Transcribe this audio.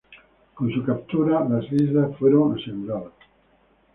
Con su captura, las islas fueron aseguradas.